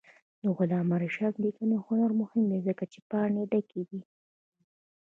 د علامه رشاد لیکنی هنر مهم دی ځکه چې پاڼې ډکې دي.